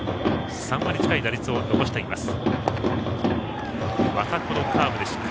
３割近い打率を残しています。